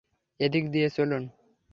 এদিক দিয়ে চলুন।